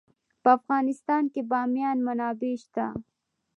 په افغانستان کې د بامیان منابع شته.